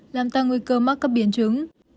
làm tăng nguy cơ mắc cấp biến chứng